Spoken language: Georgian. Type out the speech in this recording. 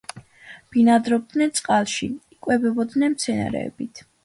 ბინადრობდნენ წყალში, იკვებებოდნენ მცენარეებით.